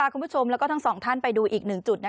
คุณผู้ชมและทั้ง๒ท่านไปดูอีก๑จุด